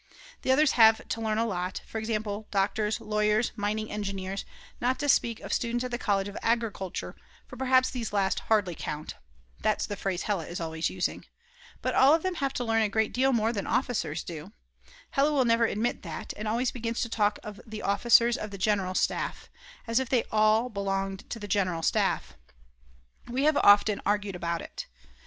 The others have to learn a lot, for example doctors, lawyers, mining engineers, not to speak of students at the College of Agriculture, for perhaps these last "hardly count" (that's the phrase Hella is always using); but all of them have to learn a great deal more than officers do; Hella never will admit that, and always begins to talk of the officers of the general staff; as if they all belonged to the general staff! We have often argued about it.